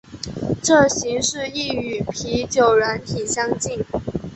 这形式亦与啤酒软体相近。